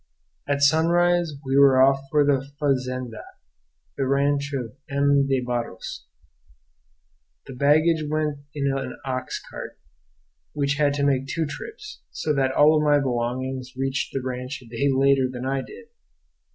At sunrise we were off for the "fazenda," the ranch of M. de Barros. The baggage went in an ox cart which had to make two trips, so that all of my belongings reached the ranch a day later than I did.